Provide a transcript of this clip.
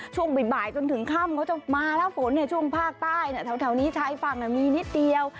ช่วงบ่ายจนถึงค่ำเขาจะมาแล้วฝนช่วงภาคใต้แถวนี้ชายฝั่งมีนิดเดียว